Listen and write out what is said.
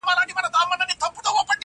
اوس و تاسو ته زامنو انتظار یو-